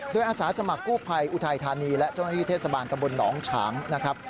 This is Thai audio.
โดยอาสาสมัครกู้ภัยอุทัยธานีและเจ้าหน้าที่เทศบาลตำบลหนองฉางนะครับ